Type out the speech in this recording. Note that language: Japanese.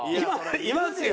いますよ！